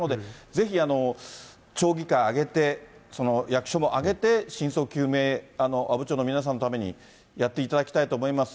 ぜひ、町議会挙げて役所も挙げて、真相究明、阿武町の皆さんのためにやっていただきたいと思います。